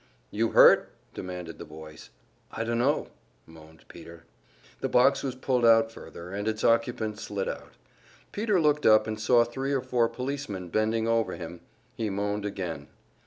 "You hurt?" demanded the voice. "I dunno," moaned Peter. The box was pulled out further, and its occupant slid out. Peter looked up, and saw three or four policemen bending over him; he moaned again.